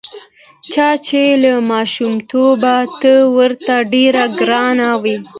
چا چې له ماشومتوبه ته ورته ډېر ګران وې.